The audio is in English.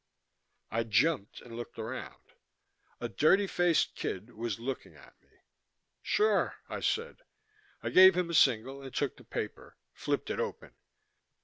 I jumped and looked around. A dirty faced kid was looking at me. "Sure," I said. I gave him a single and took the paper, flipped it open.